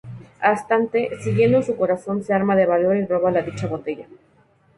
Asante, siguiendo su corazón, se arma de valor y roba la dicha botella.